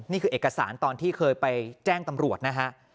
นี่คือเอกสารตอนที่เคยไปแจ้งตำรวจนะฮะ